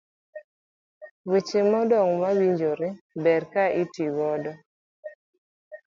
weche madongo ma owinjore ber ka otigodo.